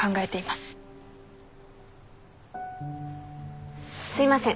すいません。